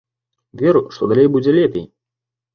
Веру, што далей будзе лепей!